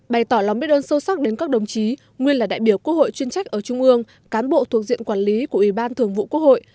bày tỏ lòng biết ơn sâu sắc đến các đồng chí nguyên là đại biểu quốc hội chuyên trách ở trung ương cán bộ thuộc diện quản lý của ủy ban thường vụ quốc hội